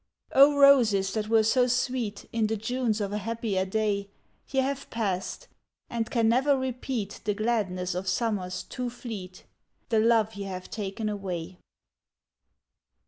O roses that were so sweet In the Junes of a happier day, Ye have passed — and can never repeat The gladness of summers too fleet — The love ye have taken away.